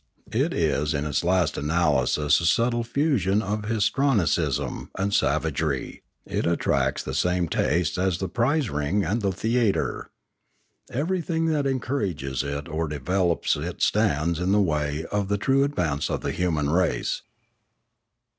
It is in its last analysis a subtle fusion of histrionicism and savagery; it attracts the same tastes as the prize iing and the theatre. Everything that encourages it or develops it stands in the way of the true advance of the human race.